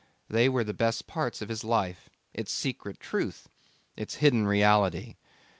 They were the best parts of life, its secret truth, its hidden reality.